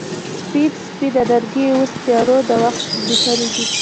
سپین، سپین اننګي یې اوس تیارو د وخت زبیښلې دي